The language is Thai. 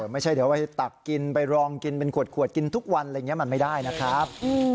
ไม่ใช่เดี๋ยวเอาไว้ตักกินไปรองกินเป็นขวดกินทุกวันมันไม่ได้นะครับ